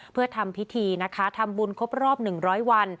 เพื่อทำพิธีนะคะทำบุญครบรอบ๑๐๐วัน